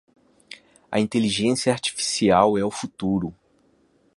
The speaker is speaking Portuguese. A inteligência artificial é o futuro